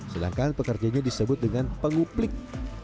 sedangkan pekerjanya disebut dengan penguplik